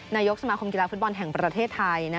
นายกสมาคมกีฬาฟุตบอลแห่งประเทศไทย